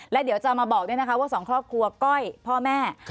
แล้วเดี๋ยวจะมาบอกด้วยนะคะว่าสองครอบครัวก้อยพ่อแม่